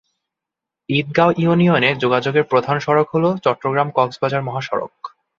ঈদগাঁও ইউনিয়নে যোগাযোগের প্রধান সড়ক হল চট্টগ্রাম-কক্সবাজার মহাসড়ক।